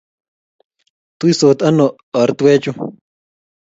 tuisot ano ortwechu